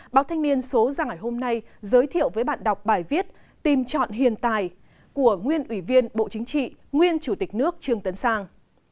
báo thanh niên số ra ngày hôm nay giới thiệu với bạn đọc bài viết tìm chọn hiền tài của nguyên ủy viên bộ chính trị nguyên chủ tịch nước trương tấn sang